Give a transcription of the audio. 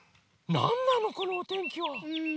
なんなのこのおてんきは⁉うん。